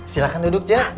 silahkan duduk coy